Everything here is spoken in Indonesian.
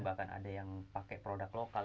bahkan ada yang pakai produk lokal